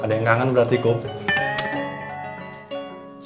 hai adeng yang kangen berarti kump